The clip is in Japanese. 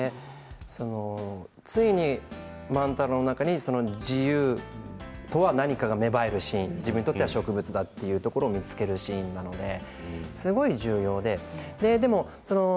ついに万太郎の中に自由とは何かが芽生えるシーンを自分にとっては植物だというところを見つけるシーンなのですごく重要で。